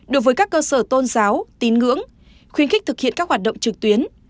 đối với các cơ sở tôn giáo tín ngưỡng khuyến khích thực hiện các hoạt động trực tuyến